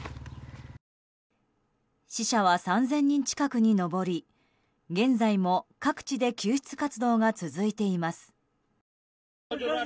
死者は３０００人近くに上り現在も各地で救出活動が続いています。